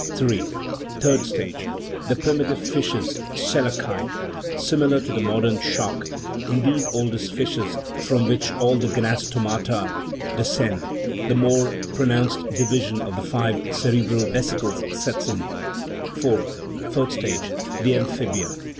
III. Third stage the primitive fishes (selachii) : sim ilar to the modern shark: in these oldest fishes, from which all the gnathostomata descend, the more pro nounced division of the five cerebral vesicles sets in. IV. Fourth stage the amphibia.